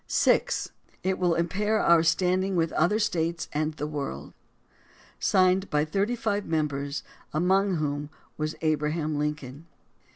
(6) It will impair our standing with other States and the world. ... (Signed by thirty five members, among whom was Abraham Lincoln.)